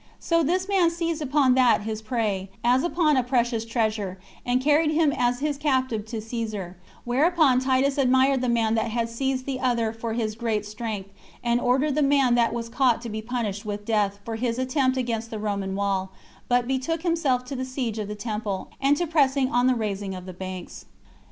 So this man seized upon that his prey, as upon a precious treasure, and carried him as his captive to Caesar; whereupon Titus admired the man that had seized the other for his great strength, and ordered the man that was caught to be punished [with death] for his attempt against the Roman wall, but betook himself to the siege of the temple, and to pressing on the raising of the banks.